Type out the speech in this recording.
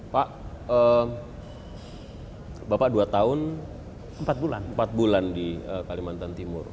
pak bapak dua tahun empat bulan di kalimantan timur